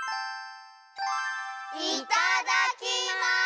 いただきます！